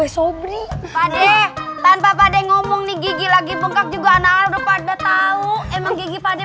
sobri padeh tanpa pada ngomong nih gigi lagi bengkak juga naruh pada tahu emang gigi pada